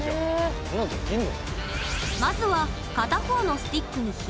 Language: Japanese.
こんなのできんの？